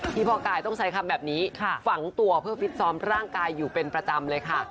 พ่อกายต้องใช้คำแบบนี้ฝังตัวเพื่อฟิตซ้อมร่างกายอยู่เป็นประจำเลยค่ะ